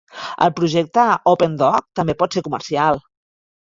El projecte OpenDoc també pot ser comercial.